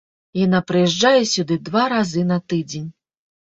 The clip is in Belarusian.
Яна прыязджае сюды два разы на тыдзень.